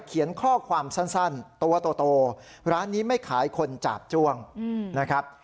เขียนข้อความสั้นตัวโตร้านนี้ไม่ขายคนจาบจ้วงนะครับ